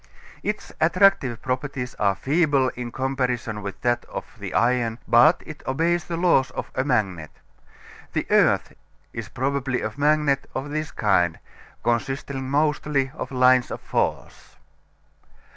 Its attractive properties are feeble in comparison with that of the iron, but it obeys the laws of a magnet. The earth is probably a magnet of this kind, consisting mostly of lines of force.